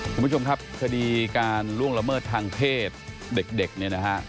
คุณผู้ชมครับคดีการล่วงละเมิดทางเพศเด็กเนี่ยนะฮะ